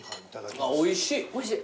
おいしい。